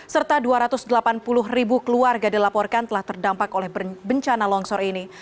serta dua ratus delapan puluh ribu keluarga dilaporkan telah terdampak oleh bencana longsor ini